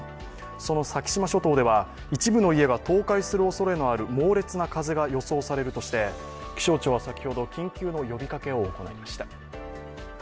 その先島諸島では、一部の家が倒壊するおそれのある猛烈な風が予想されるとして気象庁は先ほど緊急の呼びかけを行いました。